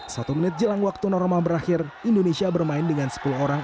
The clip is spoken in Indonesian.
satu menit jelang waktu normal berakhir indonesia bermain dengan sepuluh orang